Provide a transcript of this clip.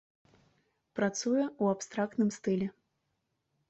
Працуе ў абстрактным стылі.